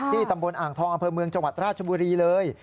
ตำบลอ่างทองอำเภอเมืองจังหวัดราชบุรีเลย